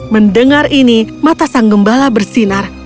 mendengar ini mata sang gembala bersinar